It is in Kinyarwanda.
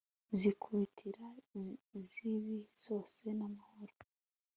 zikubitira zibi zose mo hano